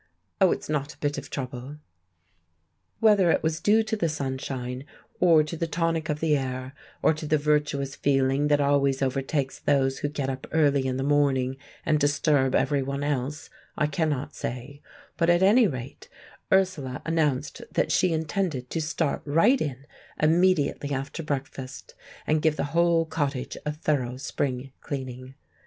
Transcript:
Oh, it's not a bit of trouble." Whether it was due to the sunshine, or to the tonic of the air, or to the virtuous feeling that always overtakes those who get up early in the morning and disturb everyone else, I cannot say; but at any rate Ursula announced that she intended to start right in, immediately after breakfast, and give the whole cottage a thorough spring cleaning.